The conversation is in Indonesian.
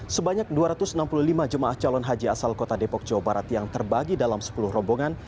sebanyak dua ratus enam puluh lima jemaah calon haji asal kota depok jawa barat yang terbagi dalam sepuluh rombongan